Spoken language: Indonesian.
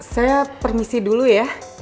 saya permisi dulu ya